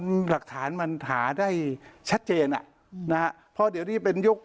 มันหลักฐานมันหาได้ชัดเจนอ่ะอืมนะฮะเพราะเดี๋ยวนี้เป็นยุค